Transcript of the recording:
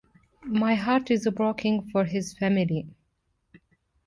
My heart is broken for his family.